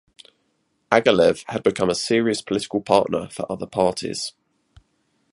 Agalev had become a serious political partner for other parties.